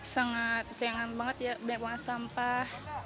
sangat sayang banget ya banyak banyak sampah